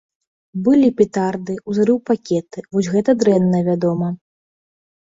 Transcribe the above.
Былі петарды, ўзрыўпакеты, вось гэта дрэнна, вядома.